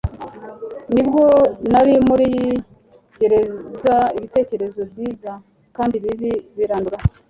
nibwo nari muri gerezaibitekerezo byiza kandi bibi birandura